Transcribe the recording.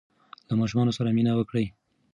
له ماشومانو سره مینه وکړئ.